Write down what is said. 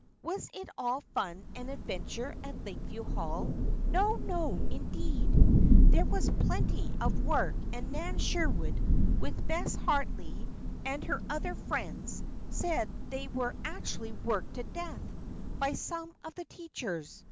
Was it all fun and adventure at Lakeview Hall? No, no, indeed! There was plenty of work, and Nan Sherwood, with Bess Harley and her other friends, said they were "actually worked to death" by some of the teachers.